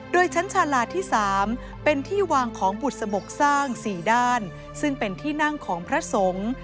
โดยชั้นชาลาที่๓เป็นที่วางของบุษบกสร้าง๔ด้านซึ่งเป็นที่นั่งของพระสงฆ์